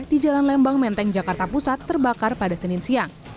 di jalan lembang menteng jakarta pusat terbakar pada senin siang